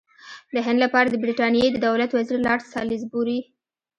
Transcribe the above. د هند لپاره د برټانیې د دولت وزیر لارډ سالیزبوري.